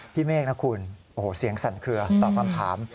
เมฆนะคุณโอ้โหเสียงสั่นเคลือตอบคำถาม